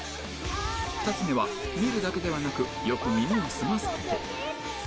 ２つ目は見るだけではなくよく耳を澄ます事